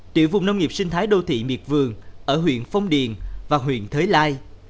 tiểu vùng nông nghiệp sinh thái đô thị miệt vườn ở huyện phong điền và huyện thới lai